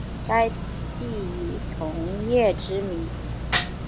该地以铜业知名。